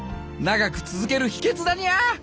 長く続ける秘けつだにゃ。